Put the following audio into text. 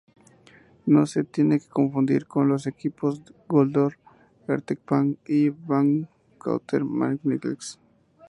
No se tiene que confundir con los equipos Goldor-Hertekamp y Van Cauter-Magniflex.